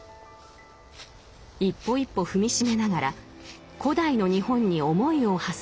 一歩一歩踏み締めながら古代の日本に思いをはせる旅。